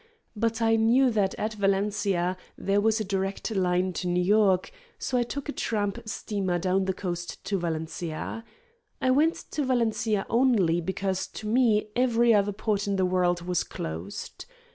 But I knew that at Valencia there was a direct line to New York, so I took a tramp steamer down the coast to Valencia. I went to Valencia only because to me every other port in the world was closed.